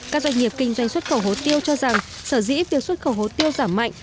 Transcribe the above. các doanh nghiệp kinh doanh xuất khẩu hồ tiêu cho rằng sở dĩ việc xuất khẩu hồ tiêu giảm mạnh